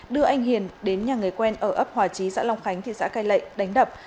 đưa anh hiền đến nhà người quen ở ấp hòa chí xã long khánh thị xã cai lệ đánh đập